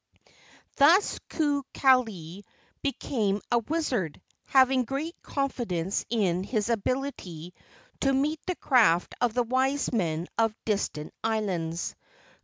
Thus Kukali became a wizard, having great confidence in his ability to meet the craft of the wise men of distant islands.